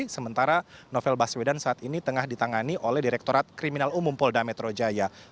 sementara novel baswedan saat ini tengah ditangani oleh direktorat kriminal umum polda metro jaya